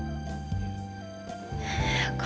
kamu mau pindah akun sama aku ya